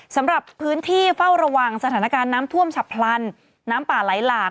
สำหรับพื้นที่เฝ้าระวังสถานการณ์น้ำท่วมฉับพลันน้ำป่าไหลหลาก